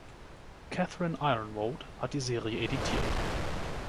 Catherine Yronwode hat die Serie editiert.